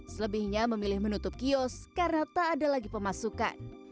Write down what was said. selebihnya memilih menutup kios karena tak ada lagi pemasukan